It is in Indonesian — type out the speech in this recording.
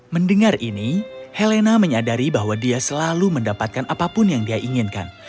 mendengar ini helena menyadari bahwa dia selalu mendapatkan apapun yang dia inginkan